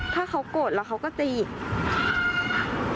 ถ้าเขาโกรธแล้วเขาก็จะอีก